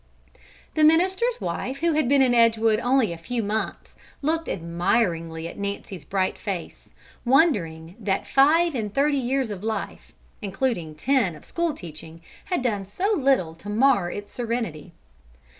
The minister's wife who had been in Edgewood only a few months, looked admiringly at Nancy's bright face, wondering that five and thirty years of life, including ten of school teaching, had done so little to mar its serenity.